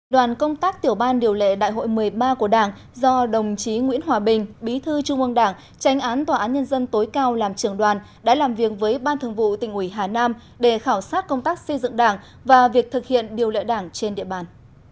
đoàn công tác tiểu ban điều lệ đại hội một mươi ba của đảng do đồng chí nguyễn hòa bình bí thư trung ương đảng tranh án tòa án nhân dân tối cao làm trưởng đoàn đã làm việc với ban thường vụ tỉnh ủy hà nam để khảo sát công tác xây dựng đảng và việc thực hiện điều lệ đảng trên địa bàn